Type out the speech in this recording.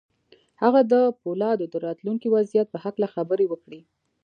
هغه د پولادو د راتلونکي وضعیت په هکله خبرې وکړې